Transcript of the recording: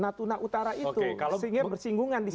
natuna utara itu sehingga bersinggungan di situ